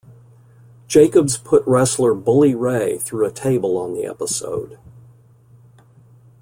Jacobs put wrestler Bully Ray through a table on the episode.